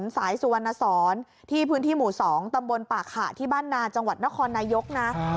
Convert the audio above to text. สายสุวรรณสอนที่พื้นที่หมู่๒ตำบลป่าขะที่บ้านนาจังหวัดนครนายกนะ